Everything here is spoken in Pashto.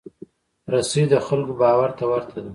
رسۍ د خلکو باور ته ورته ده.